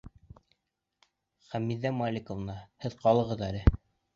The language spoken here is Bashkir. Хәмиҙә Маликовна, һеҙ ҡалығыҙ әле.